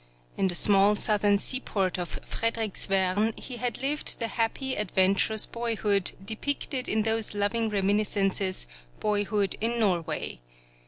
In the small southern seaport of Friedricksværn he had lived the happy adventurous boyhood depicted in those loving reminiscences 'Boyhood in Norway.'